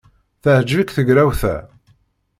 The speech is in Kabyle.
Teɛjeb-ik tegrawt-a?